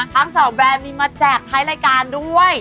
ทั้งสองแบรนด์มีมาแจกท้ายรายการด้วย